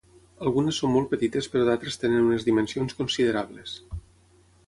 Algunes són molt petites però d'altres tenen unes dimensions considerables.